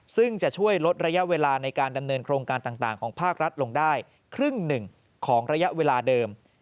ซึ่งจะช่วยลดระยะเวลาในการดำเนินโครงการต่างของภาครัฐลงได้ครึ่งหนึ่งของระยะเวลาเดิม